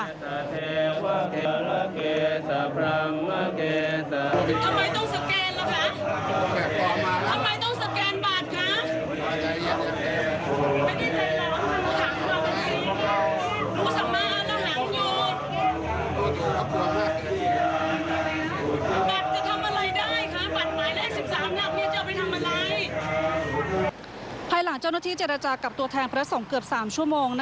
นี้ไปหลังจะนัดที่จะลักษณะกับตัวแทนพระองค์เกือบ๓ชั่วโมงนะ